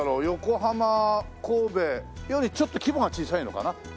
横浜神戸よりちょっと規模が小さいのかな。